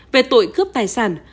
về tội cướp tài sản